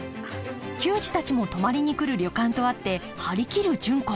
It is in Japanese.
球児たちも泊まりに来る旅館とあって張り切る純子。